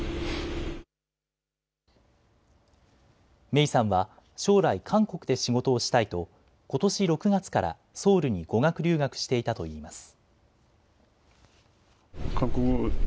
芽生さんは将来、韓国で仕事をしたいとことし６月からソウルに語学留学していたといいます。